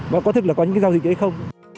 và có thực là có những cái giao dịch hay không